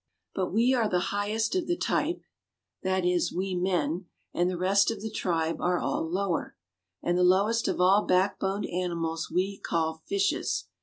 But we are the highest of the type that is, we men and the rest of the tribe are all lower. And the lowest of all backboned animals we call fishes.